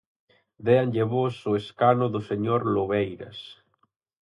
Déanlle voz ao escano do señor Lobeiras.